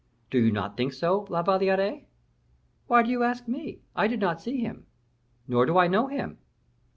Do you not think so, La Valliere?" "Why do you ask me? I did not see him, nor do I know him."